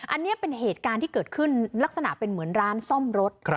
อันนี้เป็นเหตุการณ์ที่เกิดขึ้นลักษณะเป็นเหมือนร้านซ่อมรถ